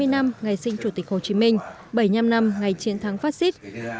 một trăm ba mươi năm ngày sinh chủ tịch hồ chí minh bảy mươi năm năm ngày chiến thắng fascist